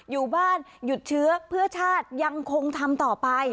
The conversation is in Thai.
อยู่บ้านหยุดเชื้อเพื่อชาติยังคงทำต่อไป